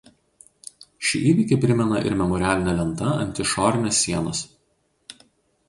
Šį įvykį primena ir memorialinė lenta ant išorinės sienos.